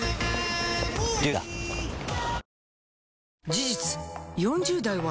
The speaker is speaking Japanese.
事実４０代は